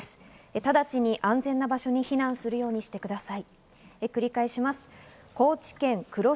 ただちに安全な場所に避難するようにしてください。